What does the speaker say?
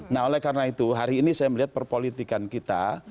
nah oleh karena itu hari ini saya melihat perpolitikan kita